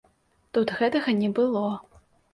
Тут гэтага не было.